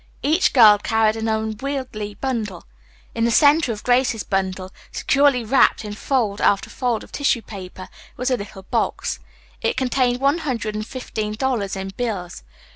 Each girl carried an unwieldy bundle. In the center of Grace's bundle, securely wrapped in fold after fold of tissue paper, was a little box. It contained one hundred and fifteen dollars in bills.